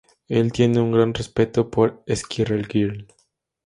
Él tiene un gran respeto por Squirrel Girl.